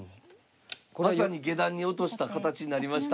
まさに下段に落とした形になりました。